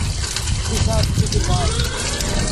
Fisher, চুদির ভাই!